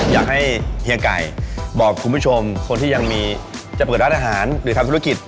อยากให้เฮียไก่บอกคุณผู้ชมคนที่ยังมีจะเปิดร้านอาหารหรือทำธุรกิจ